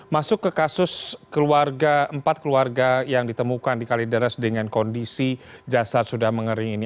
masuk ke kasus keluarga empat keluarga yang ditemukan di kalideres dengan kondisi jasad sudah mengering ini